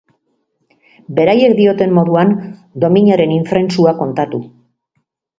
Beraiek dioten moduan dominaren infrentsua kontatu.